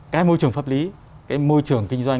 cái biện pháp pháp lý cái môi trường kinh doanh